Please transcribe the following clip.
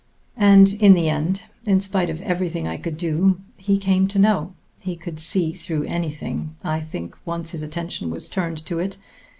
"And in the end, in spite of everything I could do, he came to know.... He could see through anything, I think, once his attention was turned to it.